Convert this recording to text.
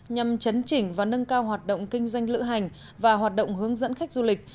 nhằm chấn chỉnh và nâng cao hoạt động kinh doanh lữ hành và hoạt động hướng dẫn khách du lịch